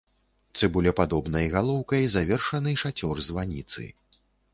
Цыбулепадобнай галоўкай завершаны шацёр званіцы.